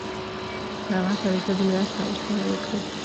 هغه پر ضد مرسته ورسره وکړي.